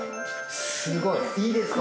すごいいいですか？